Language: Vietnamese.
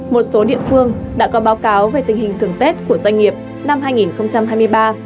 một số địa phương đã có báo cáo về tình hình thường tết của doanh nghiệp năm hai nghìn hai mươi ba